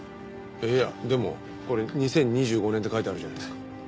いやでもこれ２０２５年って書いてあるじゃないですか。